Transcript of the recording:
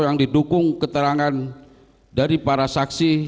yang didukung keterangan dari para saksi